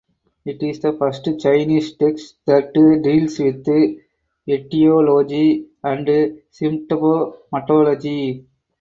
It is the first Chinese text that deals with etiology and symptomatology.